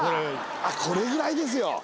あっこれぐらいですよ。